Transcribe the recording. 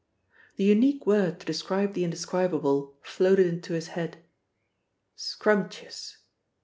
The unique word to describe the indescribable floated into his head: "Scrumptuous!"